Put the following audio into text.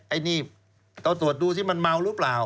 ไอ้นี่ต้องตรวจดูมันเมาหรือเปล่า